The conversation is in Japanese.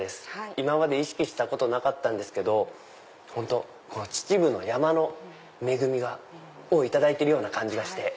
今まで意識したことなかったんですけど秩父の山の恵みをいただいてるような感じがして。